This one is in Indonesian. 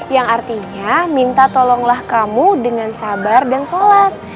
yang artinya minta tolonglah kamu dengan sabar dan sholat